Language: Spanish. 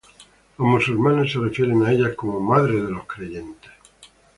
Los musulmanes se refieren a ellas como ""Madres de los Creyentes"".